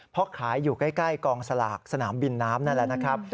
เพราะขายอยู่ใกล้กองสลากสนามบินน้ำนั่นแหละนะครับ